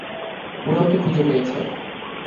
ওরা ওকে খুঁজে পেয়েছে।